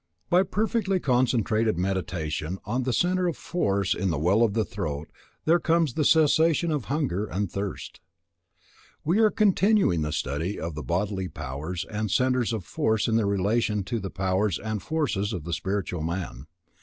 By perfectly concentrated Meditation on the centre of force in the well of the throat, there comes the cessation of hunger and thirst. We are continuing the study of the bodily powers and centres of force in their relation to the powers and forces of the spiritual man.